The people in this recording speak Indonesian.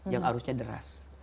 yang arusnya deras